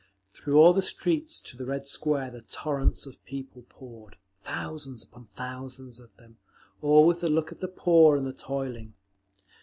Through all the streets to the Red Square the torrents of people poured, thousands upon thousands of them, all with the look of the poor and the toiling.